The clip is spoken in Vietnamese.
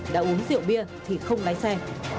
đã uống rượu bia thì không lái xe